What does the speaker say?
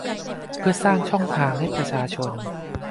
เพื่อสร้างช่องทางให้ประชาชน